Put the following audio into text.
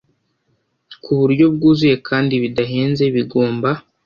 ku buryo bwuzuye kandi bidahenze bigomba